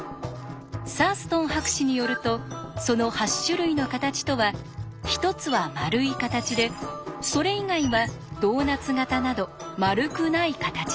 サーストン博士によるとその８種類の形とは１つは丸い形でそれ以外はドーナツ型など丸くない形です。